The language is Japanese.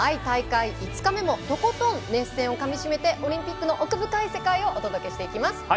大会５日目もとことん熱戦をかみしめてオリンピックの奥深い世界をお届けしていきます。